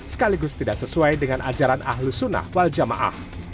sekaligus tidak sesuai dengan ajaran ahlus sunnah wal jamaah